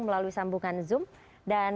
melalui sambungan zoom dan